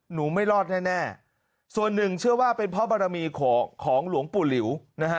ไม่รอดแน่ส่วนหนึ่งเชื่อว่าเป็นเพราะบารมีของหลวงปู่หลิวนะฮะ